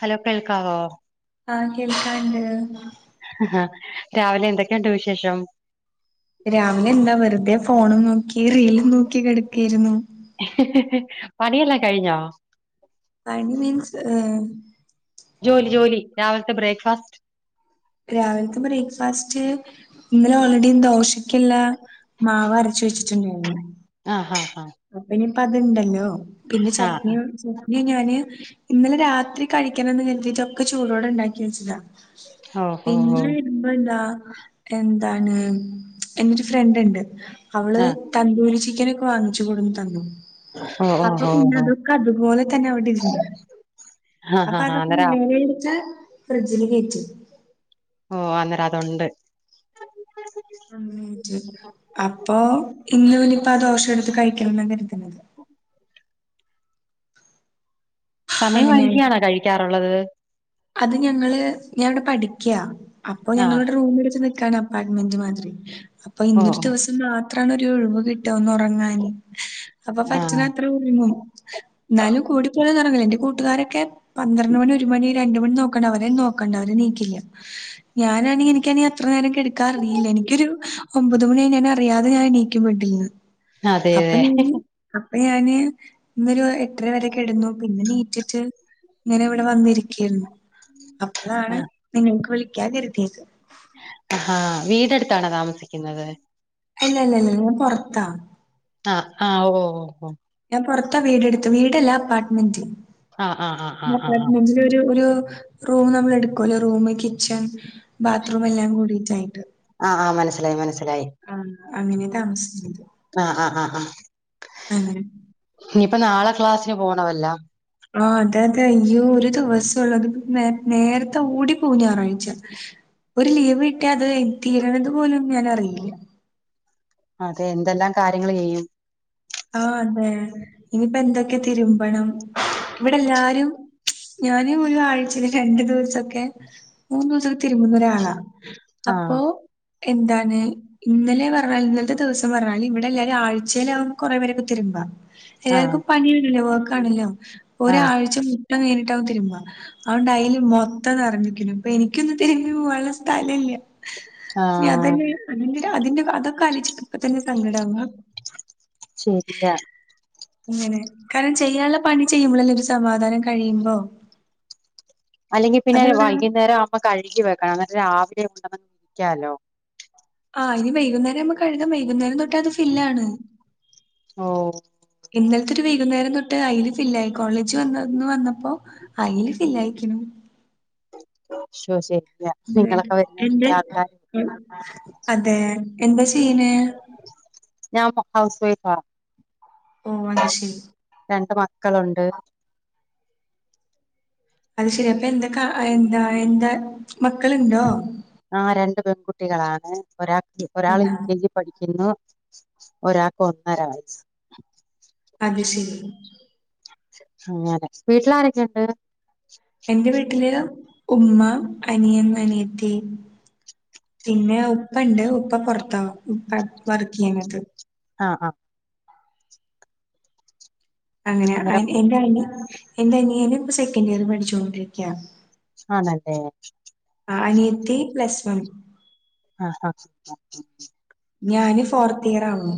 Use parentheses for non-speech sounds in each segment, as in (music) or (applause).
Hello കേൾക്കാവോ? ആഹ് കേൾക്കാണ്ട് ഹാ രാവിലെ എന്തൊക്കെയുണ്ട് വിശേഷം? രാവിലെന്താ വെറുതെ ഫോണും നോക്കി റീലും നോക്കി കെടുക്കുവായിരുന്നു. പണിയെല്ലാം കഴിഞ്ഞോ? പനി മീൻസ് ഹ്.. ജോലി ജോലി രാവിലത്തെ ബ്രേക്ക്ഫാസ്റ്റ് രാവിലത്തെ ബ്രേക്ക്ഫാസ്റ്റ് ഇന്നലെ ഓൾറെഡി ദോഷക്കല്ല മാവ് അരച്ച വെച്ചിട്ടുണ്ടായിരുന്നു ആഹ് ആഹ് ആഹ് അനിയിപ്പ അത്ണ്ടല്ലോ പിന്നെ ആഹ് ചട്ട്നി ഇ ഞാന് ഇന്നലെ രാത്രി കഴിക്കണംന്ന് കരുതിട്ടൊക്കെ ചൂടോടെ ഉണ്ടാക്കി വെച്ചതാ.. ആഹ് ഓ ഓ ഓ പിന്നെ ബ്ബന്താ എന്താണ് എന്റൊരു ഫ്രണ്ട് ഉണ്ട് അവള്.. ആഹ് തന്തൂരി ചിക്കനൊക്കെ വാങ്ങിച്ചു കൊടുന്നു തന്നു.. ഓ അപ്പൊ ഓ ഓ പിന്നെ ഓ അതൊക്കെ അതുപോലെ തന്നെ അവിടെ ഇ ആഹ് അപ്പൊ ആഹ് അതൊക്കെ അന്നേരം (unintelligible) ഫ്രിഡ്ജില് കേറ്റി ഓ അന്നേരം അതുണ്ട്. ഉ അപ്പൊ ഇന്ന് നിയിപ്പോ ആ ദോഷം എടുത്ത് കഴിക്കണം എന്ന കരുതുന്നത്. സമയം വരികയണോ അങ്ങനെയായി കഴിക്കാറുള്ളത്? അത് ഞങ്ങള് ഞാൻ ഇവിടെ പഠിക്കയാ. അപ്പൊ ആഹ് ഞങ്ങളുടെ റൂമ എടുത്ത് നിക്കാണ് അപ്പാർട്ട്മെന്റ് മാതിരി അപ്പൊ ഓ ഇന്നൊരു ഓ ദിവസ മാത്രണ് ഒരു ഒഴിവ് കിട്ട ഒന്ന്റങ്ങാന് അപ്പൊ ആഹ് പറ്റണഅത്ര ഉറങ്ങും. എന്നാലും കൂടി പോലെ ങ്ങില്ല എന്റെ കൂട്ടുകാരൊക്കെ പന്ത്രണ്ട് മണി ഒരു മണി രണ്ട് മണി നോക്കണ്ട അവര നോക്കണ്ട അവരെ നീക്കില്ല ഞാനാണെങ്കിൽ എനിക്ക അത്ര നേരം എടുക്കാ അറിയില്ല എനിക്കൊരു ഒമ്പത് മണി ഞാ അറിയാതെ ഞാൻ നീക്കും ബെഡ്‌ഡിന്. അതെ അപ്പൊ അതെ അപ്പൊ ഞാന് ഇന്നൊരു എത്രര വരെ കെടുന്നു പിന്നെ നീറ്റിട്ട്. ഇങ്ങനെ ഇവിടെ വന്നിരിക്കരുന്നു അപ്പോഴാണ് ആഹ് നിങ്ങൾക്ക് വിളിക്കാ കരുതിയത്. ആഹ് വീടെടുത്താണോ താമസിക്കുന്നത്? ഇല്ല ഇല്ല ഇല്ല ഞാൻ പുറത്താ. ആ ആ ഓ ഓ ഞാൻ പുറത്താ വീടെടുത്തു വീടല്ലേ അപ്പാർട്ട്മെന്റ് ആഹ് ആഹ് ആഹ് ആഹ് ആഹ് അപ്പാർട്ട്മെന്റ് ഒരു റൂം നമ്മൾ എടുക്കല്ലോ റൂമ് കിച്ചൺ ബാത്റൂം എല്ലാം കൂടിട്ടായിട്ട്. ആഹ് ആഹ് മനസ്സിലായി മനസ്സിലായി അങ്ങനെ താമസിക്കുന്നത്. ആ ആ ആ ആ - (unintelligible) ഇനിയിപ്പ നാളെ ക്ലാസ്സിന് പോണമല്ല. ആ അതെ അതെ യ്യ ഒരു ദിവസംള്ള അത് നേ നേരത്തെ ഓടി പോ ഞായറാഴ്ച. ഒരു ലീവ് കിട്ടിയാ അത് തീരണത് പോലും ഞാനറിയില്ല. അതെ എന്തെല്ലാം കാര്യങ്ങൾ ചെയ്യും. ആ അതെ ഇനിയിപ്പോ എന്തൊക്കെ തിരുമ്പണം ഇവിടെ എല്ലാരും ഞാന് ഒരു ആഴ്ചയില് രണ്ടു ദിവസൊക്കെ മൂന്ന് ദിവസൊക്കെ തിരുമ്മുന്ന ഒരാളാ. ആഹ് അപ്പോ എന്താണ് ഇന്നലെ പറഞ്ഞാൽ ഇന്നത്തെ ദിവസം പറഞ്ഞാൽ ഇവിടെ എല്ലാരും ആഴ്ചയിലാവും കുറെേ പേരൊക്കെ തിരുമ്പ ആഹ് എല്ലാവർക്കും പണിയാണല്ലോ വർക്കാണല്ലോ ആഹ് ഒരാഴ്ച എണിട്ടാവും തീരുമ്പ അതുകൊണ്ട് അതില് മൊത്തംറഞ്ഞക്കു അപ്പൊ എനിക്കൊന്നും തിരഞ്ഞു പോവാനുള്ള സ്ഥല ഇല്ല. ന ആഹ് അതന്നെ അ അതിന്റെ അതൊക്കെ അലിച്ച് ഇപ്പ തന്നെ സങ്കടം ആവാ ശരിയ അങ്ങനെ കാരണം ചെയ്യാനുള്ള പണി ചെയ്യുമ്പളല്ലേ ഒരു സമാധാനം കഴിയുമ്പോ അല്ലെങ്കി പിന്നെ അതവിടാണ് വൈകുന്നേരം ആവുമ്പ കഴുകി വെക്കണം എന്നിട്ട് രാവിലെ (unintelligible) ക്കാലോ ആഹ് ഇനി വൈകുന്നേരവുമ്പം കഴുകാ വൈകുന്നേരം തൊട്ട് അത് ഫില്ലാണ്. ഓ ഇന്നലത്തെ ഒരു വൈകുന്നേരം തൊട്ട് അയിൽ ഫില്ലായി കോളേജ് വന്നന്ന് വന്നപ്പോ അയില് ഫില്ലായിക്ക്ണു ശോ ശരിയാ നിങ്ങളൊക്കെ വെരുന്നേന് എന്ത്? മുമ്പേ ആക്കാന് അതെ എന്താ ചെയ്യ്ണേ? ഞാൻ ഇപ്പ ഹൗസ് വൈഫാ. ഓഹ് അത് ശരി രണ്ട് മക്കളൊണ്ട്. അത് ശരി അപ്പൊ എന്താക്കാ ആഹ് എന്താ എന്താ മക്കളുണ്ടോ? ആഹ് രണ്ട് പെൺകുട്ടികളാണ് ഒരാക് ഒരാൾ എ ൽ കെ ജി പഠിക്കുന്നു ഒരാക്ക് ഒന്നര വയസ്സ്. അത് ശരി. അങ്ങനെ വീട്ടിലാരൊക്കെയൊണ്ട്? എൻ്റെ വീട്ടില് ഉമ്മ അനിയൻ അനിയത്തി. പിന്നെ ഉപ്പ ഇണ്ട് ഉപ്പ പൊർത്താ ഉപ്പ വർക്കെയ്യണത് ആഹ് ആഹ് അങ്ങനെ അന്നേരം അനി എന്റെ അനിയന് എന്റെ അനിയന് ഇപ്പ സെക്കൻ് ഇയർ പഠിച്ചോണ്ടിരിക്കാ ആണല്ലേ ആഹ് അനിയത്തി പ്ലസ് വൺ ആഹ് ആഹ് ഞാന് ഫോർത്ത് ഇയർ ആണ്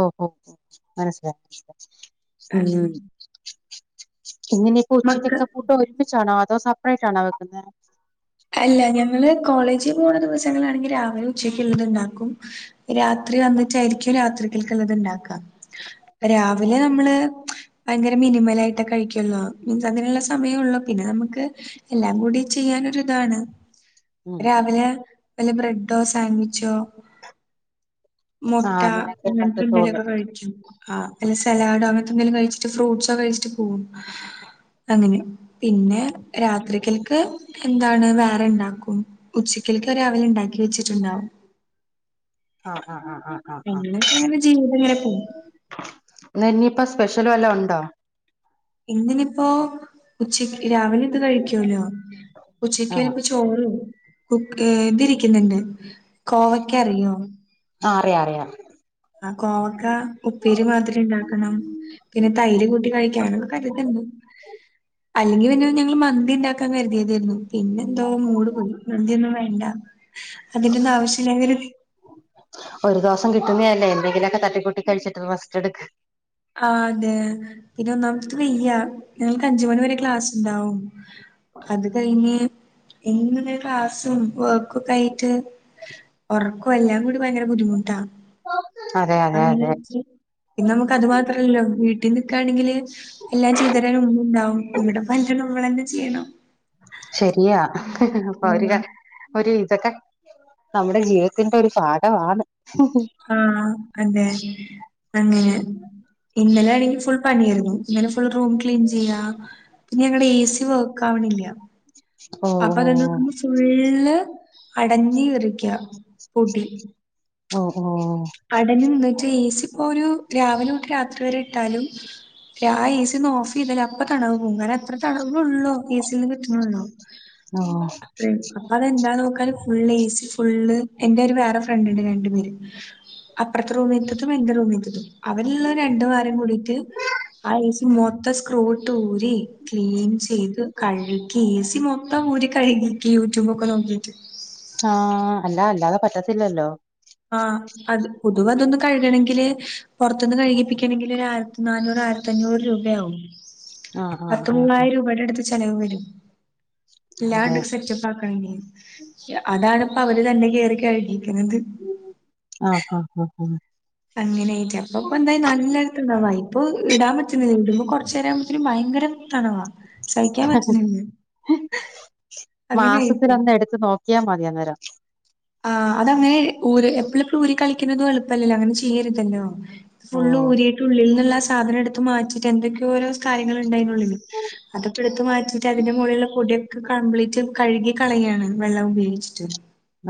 ഓഹ് ഓഹ് മനസ്സിലായി ഉം അങ്ങനെ ഇന്നിനിയിപ്പോ മക്ക ഉച്ചയ്ക്കൊക്കെ ഫുഡ് ഒരുമിച്ചാണോ അതോ സെപ്പറേറ്റ് ആണോ വെക്കുന്നെ അല്ലാ ഞങ്ങള് കോളേജി പോണ ദിവസങ്ങളാണെങ്കി രാവിലെ ഉച്ചക്ക് ഇള്ളത്ണ്ടാക്കും രാത്രി വന്നിറ്റായിരിക്കും രാത്രിക്കൽക്ക്ള്ളത് ഇണ്ടാക്കാ രാവിലെ നമ്മള് ഭയങ്കര മിനിമാലായിട്ട് കഴിക്കൊള്ളൂ മീൻസ് അങ്ങനെയുള്ള സമയ ഒള്ളൂ പിന്നെ നമ്മക്ക് എല്ലാം കൂടി ചെയ്യാനൊരു ഇതാണ് രാവിലെ വെല്ല ബ്രെഡോ സാൻവിച്ചോ മൊട്ട ആഹ് അങ്ങനെയൊക്കെ പറ്റത്തോള്ളൂ അങ്ങനത്തെന്തേലൊക്കെ കഴിക്കും ആഹ് വല്ല സലാഡോ അങ്ങനത്തെ എന്തേലും കഴിച്ചിട്ട് ഫ്രൂട്ട്സോ കഴിച്ചിട്ട് പോവും അങ്ങനെ പിന്നെ രാത്രിക്കൽക്ക് എന്താണ് വേറെ ഇണ്ടാക്കും ഉച്ചക്കൽക്ക് രാവിലെ ഇണ്ടാക്കി വെച്ചിട്ട്ണ്ടാവും ആഹ് ആഹ് ആഹ് ആഹ് എങ്ങനൊക്കെയാണെങ്കിലും ജീവിതങ്ങനെ പോവും ഇന്നെന്നിയിപ്പോ സ്പെഷ്യല് വല്ലോം ഉണ്ടോ ഇന്നിനിപ്പോ ഉച്ചക്ക്‌ രാവിലെ ഇത് കഴിക്കോലോ ഉച്ചക്ക് ആഹ് വെരുമ്പം ചോ (unintelligible) കുക് ഏഹ് ഇതിരിക്കുന്ന്ണ്ട് കോവയ്ക്ക അറിയോ? ആഹ് അറിയാ അറിയാ ആഹ് കോവക്കാ ഉപ്പേരി മാതിരി ഇണ്ടാക്കണം പിന്നെ തൈര് കൂട്ടി കഴിക്കാന്നൊക്കെ കര്ത്ണ്ട് അല്ലെങ്കിൽ പിന്നെ ഞങ്ങള് മന്തി ഇണ്ടാക്കാൻ കരുതിയതേയിരുന്നു പിന്നെ എന്തോ മൂട് പോയി മന്തി ഒന്നും വേണ്ടാ അതിന്റൊന്ന് ആവശ്യല്ലങ്കില് ഒരു ദിവസം കിട്ടുന്നെയല്ലേ എന്തെങ്കിലുമൊക്കെ തട്ടിക്കൂട്ടി കഴിച്ചിട്ട് റസ്റ്റ് എടുക്ക്‌ ആഹ് അതെ പിന്നെ ഒന്നാമത്ത് വെയ്യ ഞങ്ങൾക്ക് അഞ്ച മണി വരെ ക്ലാസ് ഇണ്ടാവും അത് കഴിഞ്ഞ് ഇന്ന് ക്ലാസും വെക് ക്കൊക്കെ ആയിട്ട് ഉറക്കൊ എല്ലാ കൂടി ഭയങ്കര ബുദ്ധിമുട്ടാ അതെ അതെ അങ്ങനെ അതെ ജീ പിന്നെ നമക്ക് അത് മാത്രല്ലല്ലോ വീട്ടിൽ നിക്കാണെങ്കില് എല്ലാ ചെയ്തരാനും ഉമ്മ ഇണ്ടാവും ഇവിടെപ്പല്ലാ മ്മളന്നെ ചെയ്യണം ശരിയാ അപ്പൊ അവര് ആഹ് ക ഒരു ഇതൊക്കെ നമ്മുടെ ജീവിതത്തിന്റെ ഒരു പാഠവാണ് ആഹ് അതെ അങ്ങനെ ഇന്നലേണെങ്കി ഫുൾ പണിയായിരുന്നു ഇങ്ങനെ ഫുൾ റൂം ക്ലീൻ ചെയ്യാ പിന്നെ ഞങ്ങടെ എ സി വർക്ക് ആവണില്ല ഓ അപ്പ ഓ അതങ്ങക്ക് ഫുള്ള് അടഞ്ഞ് കേറിക്ക പൊടി ഒ ഓ അടന്ന്ന്ട്ട് ഏ സി ഇപ്പോ ഒരു രാവിലെ തൊട്ട് രാത്രി വരെ ഇട്ടാലും രാ ഏ സിന്ന് ഓഫ് ചെയ്തല് അപ്പ തടവ് പോങ്ങു കാര്ണം അത്ര തണവേ ഉള്ളൂ ഏ സി ന്ന് കിട്ട്നൊള്ളു ഓ ഓ അപ്പഴേക്ക്‌ അപ്പൊ അതെന്താന്ന് നോക്കാൻ ഫുള് എസി ഫുള്ള് എന്റെ ഒരു വേറെ ഫ്രണ്ടുണ്ട് രണ്ടു പേര് അപ്പറത്തെ റൂമിത്തതും എന്റെ റൂമിലത്തതും അവരെല്ലാം രണ്ടു വാരം കൂടിട്ട് ആഹ് എ സി മൊത്ത സ്ക്രൂ ഇട്ട് ഊരി ക്ലീൻ ചെയ്ത് കഴുകി എ സി മൊത്തം ഊര് കഴുകി യൂട്യൂബ് ഒക്കെ നോക്കീറ്റ് ആഹ് അല്ല അല്ലാതെ പറ്റത്തില്ലല്ലോ ആഹ് അത് പൊതുവ അതൊന്ന് കഴുകണെങ്കില് പൊറത്തിന്ന് കഴുകിപ്പിക്കണമെങ്കിൽ ഒരായിരത്തി നാനൂറ ആയിരത്തി തഞ്ഞൂറു രൂപയാകും ആഹ് പത്ത് ആഹ് ആഹ് ആഹ് മൂവായിരം രൂപയുടെ അടുത്ത് ചെ ചെലവ് വരും അതെ എല്ലാണ്ട് സെറ്റപാക്കാണെങ്കി അതാണ് പ്പോ അവര് തന്നെ കയറി കഴിക്കുന്നത് ആഹ് ആഹ് ആഹ് ആഹ് അങ്ങനെയായിട്ട് അപ്പ ഇപ്പൊ എന്തായ നല്ലായിത്തണ്ടാവ ഇപ്പ വൈപ്പ് ഇടാൻ പറ്റുന്നില്ല ഇടുമ്പോ കുറച്ചുരാവുമ്പോഴത്തേക്കും ഭയങ്കര ത്തണവാ സഹിക്കാൻ പറ്റുന്നില്ലേ അങ്ങനെ ആയിപ്പോ ത്ത് നോക്കിയാ മതി അന്നേരം ആഹ് അത അങ്ങനെ ഊര എപ്പളും എപ്പളും ഊരിക്കളിക്കുന്നതും എളുപ്പല്ലല്ലോ അങ്ങനെ ചി ചെയ്യരുതല്ലോ ഫുൾ ഓഹ് ഊരി ഉള്ളിൽ നിന്നുള്ള ആഹ് സാധനം എടുത്ത് മാറ്റിട്ട് എന്തൊക്കെയോ ഓരോ കാര്യങ്ങൾ ഉണ്ടയ്നുള്ളില് അതൊപക്കെ എടുത്തത്ത് മാറ്റിയിട്ട് അതിന്റെ മുകളിലുള്ള പൊടിയൊക്കെ കംപ്ലീറ്റ് കഴുകി കളയണം വെള്ളം ഉപയോഗിച്ചിട്ട്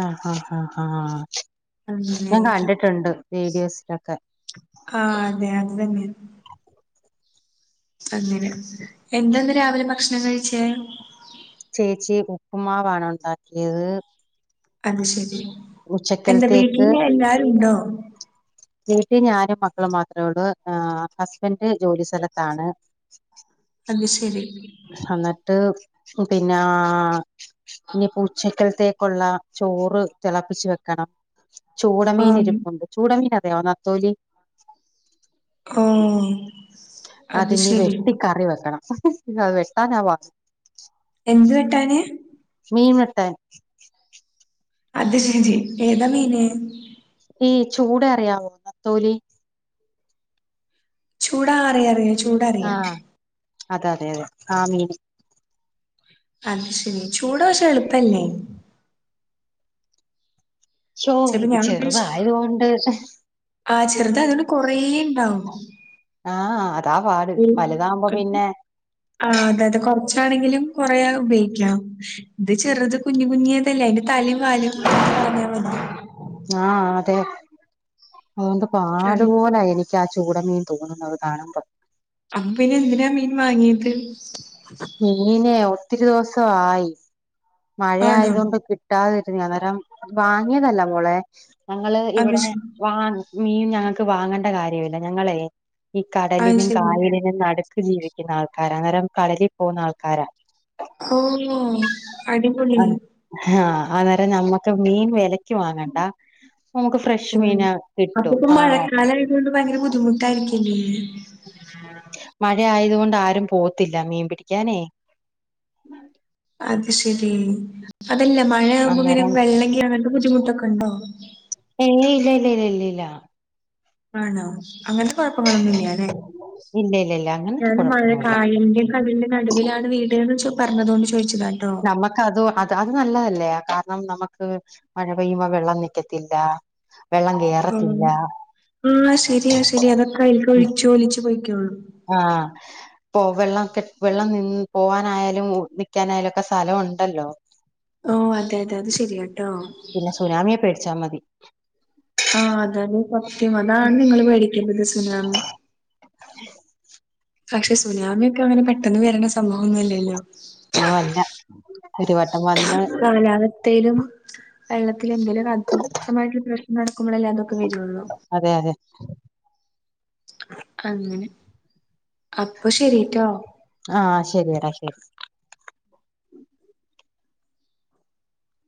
ആഹ് ആഹ് ആഹ് ഹാ ഞാൻ അങ്ങനെയത് കണ്ടിട്ടുണ്ട് വീഡിയോസിലൊക്കെ ആഹ് അതെ അത് തന്നെ അങ്ങനെ എന്തന്ന് രാവിലെ ഭക്ഷണം കഴിച്ചേ ചേച്ചി ഉപ്പുമാവാണ് ഉണ്ടാക്കിയത് അത് ശെരി എന്ത ഉച്ചക്കലത്തേക്ക് വീട്ടില് എല്ലാരും ഉണ്ടോ വീട്ടിൽ ഞാനും മക്കളും മാത്രേ ഉള്ളൂ ആഹ് ഹസ്ബൻഡറ് ജോലി സ്ഥലത്താണ് അത് ശരി അന്നിട്ട് പിന്നാ ഇനിപു ഉച്ചക്കൽത്തേക്കുള്ള ചോറ് തിളപ്പിച്ചു വെക്കണം ചൂടമീൻ ഓഹ് ഇരിപ്പുണ്ട് ചൂടമീൻ അറിയാമൊ നത്തോലി ആം അതിന്നി വെട്ടിക്കറി വെക്കണം അത് വെട്ടാന പാ എന്ത് വെട്ടാന് മീൻ വെട്ടാൻ അത് ശരി ഏതാ മീന് ഈ ചൂടെ അറിയാവോ നത്തോലി ചൂടാറിയറിയോ ചു ആഹ് അതെ അതെ അതെ ആ മീ അത് ശരി ചൂട വച്ചാ എളുപ്പല്ലേ ശ്ശോ ചിലപ്പോ ഞാൻ ചെറുതായതു കൊണ്ട് ആഹ് ചെറുതായതുകൊണ്ട് കൊറേ ഇണ്ടാവും ആഹ് അതാ പാട് വലുതാവുമ്പോ പിന്നെ ആഹ് അതെ അതെ കൊറച്ചാണെങ്കിലും കൊറേ ഉപയോഗിക്കാം ഇത് ചെറുത് കുഞ്ഞു കുഞ്ഞിയേതല്ലേ അതിന്റെ തലേം വാലും (inaudible) കളഞ്ഞാമതി ആഹ് അതെ അതു കൊണ്ട് ഉം. പാടുപോലായി എനി ച്ചാ ചൂട മീൻ തോന്നുന്നത് കാണുംമ്പോ അപ്പൊ പിന്നെ എന്തിനാ മീൻ വാങ്ങിയത് മീനെ ഒത്തിരി ദിവസവായി മഴ ആണോ ആയതോണ്ട് കി (unintelligible) അന്നേരം വാങ്ങിയതല്ല മോളേ ഞങ്ങള് അത് ഇവിടെ ശരി വാ മീൻ ഞങ്ങക്ക് വാങ്ങണ്ട കാര്യമില്ല ഞങ്ങളേ ഈ അത് കടലിനും ശരി കായലിനും നടു ക്ക് ജീവിക്കുന്ന ആൾക്കാരാ അന്നേരം കടലിൽ പോകുന്ന ആൾക്കാരാ ഓഹ് അടിപൊളി ആ ആഹ് ആന്നേരം നമ്മുക്ക് മീൻ വെലയ്ക്ക് വാങ്ങണ്ടാ നമുക്ക് ഫ്രഷ് മീന കിട്ടും ആഹ് ഇത് കൊണ്ട് ഭയങ്കര ബുദ്ധിമുട്ടായിരിക്കില്ലേ മഴ ആയത് കൊണ്ട് ആരും പോവത്തില്ല മീൻ പിടിക്കാനേ അത് ശരി അതല്ല മഴയാവുമ്പോ ഇങ്ങനെ അന്നേരം വെള്ളക്കേറണങ്ങനത്തെ ബുദ്ധിമുട്ടൊക്കൊണ്ടോ? ഏയ് ഇല്ല ഇല്ല ഇല്ല ഇല്ല ഇല്ലാ ആണോ അങ്ങനത്തെ കൊഴപ്പങ്ങളൊന്നുല്ല്യാല്ലേ ഇല്ല ഇല്ല ഇല്ല അങ്ങനത്തെ ഞാൻ മഴ കുഴപ്പൊന്നുമില്ല കായലിന്റെ നടുന്റെ നടുവിലാണ് വീട്ന്ന് ച്ചോ പറഞ്ഞതോണ്ട് ചോയിച്ചതാട്ടോ. ക്കതു അത് അത് നല്ലതല്ലേ കാരണം നമക്ക് മഴ പെയ്യുമ്പോ വെള്ളം നിക്കത്തില്ല. വെള്ളം ആഹ് കേറത്തില്ല ആഹ് ശരിയാ ശരിയാ അതൊക്കെ അയിലിക്ക് ഒഴിച്ചു ഒലിച്ച് പൊയ്ക്കോളും. ആഹ് പ്പോവെല്ലാം കെ വെള്ളം നി പോവാനായാലും നിക്കാനായാലൊക്കെ സ്ഥല ഒണ്ടല്ലോ. ഓഹ് അതെ അതെ അത് ശരിയാട്ടോ. പിന്നെ സുനാമിയെ പേടിച്ചാ മതി. ആഹ് അതാണ് സത്യം അതാണ് നിങ്ങള് പേടിക്കേണ്ടത് സുനാമി. (unintelligible) പക്ഷെ സുനാമിയൊക്കെ അങ്ങനെ പെട്ടെന്ന് വരണ സ സംഭവൊന്നുല്ലല്ലോ ഓ അല്ല ഒരു വട്ടം വന്ന് കാലാവ സ്ഥയിലും വെള്ളത്തിലും എന്തേലുവൊക്കെ അതിക്ഷമായിട്ടുള്ള പ്രശ്നം നടക്കുമ്പളല്ലേ അതൊക്കെ വരൊള്ളൂ. അതെയതെ ക്കങ്ങനെ അപ്പൊ ശരിട്ടോ ആഹ് ശരിയടാ ശരി.